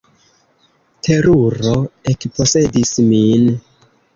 Teruro ekposedis min.